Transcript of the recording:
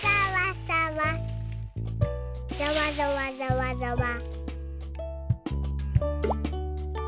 ざわざわざわざわ。